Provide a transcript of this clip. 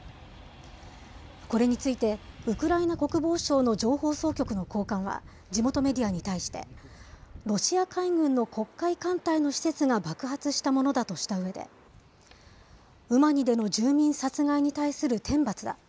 これについて、ウクライナ国防省の情報総局の高官は、地元メディアに対して、ロシア海軍の黒海艦隊の施設が爆発したものだとしたうえで、ウマニでの住民殺害に対する天罰だ。